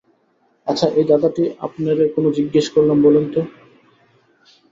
আচ্ছা এই ধাঁধাটি আপনেরে কোন জিজ্ঞেস করলাম বলেন তো?